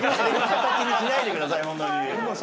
形にしないでくださいほんとに。